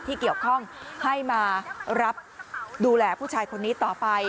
ที่เกี่ยวข้องให้มารับดูแลผู้ชายคนนี้ต่อไป